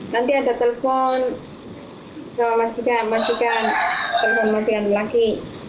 nanti ada telepon ke masjid yang masukkan terbuka masjid laki laki